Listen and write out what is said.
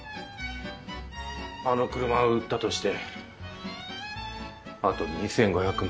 あの車を売ったとしてあと２５００万。